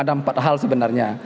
ada empat hal sebenarnya